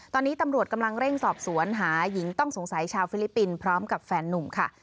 ตอนนี้ตำรวจกำลังเร่งสอบสวนหาหญิงต้องสงสัยชาวฟิลิปปินส์พร้อมกับแฟนนุ่มค่ะ